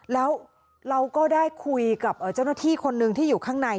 แล้วเราก็ได้คุยกับเจ้าหน้าที่คนหนึ่งที่อยู่ข้างใน